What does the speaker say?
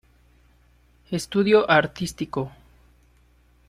Estudio artístico.